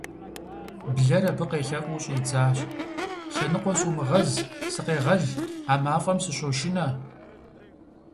Блэр абы къелъэӀуу щӀидзащ: - Лъэныкъуэ сумыгъэз, сыкъегъэл, а мафӀэм сыщошынэ!